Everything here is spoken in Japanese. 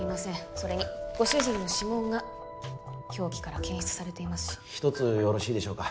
それにご主人の指紋が凶器から検出されていますし一つよろしいでしょうか？